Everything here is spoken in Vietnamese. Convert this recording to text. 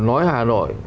nói hà nội